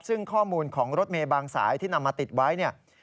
ซึ่งข้อมูลของรถเมย์บางสายที่นำมาติดไว้เนี่ย